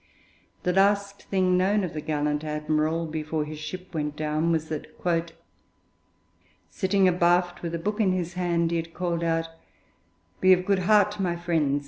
The last thing known of the gallant admiral before his ship went down was that 'sitting abaft with a book in his hand,' he had called out 'Be of good heart, my friends!